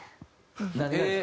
何がですか？